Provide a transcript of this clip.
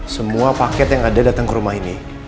semua paket yang ada datang ke rumah ini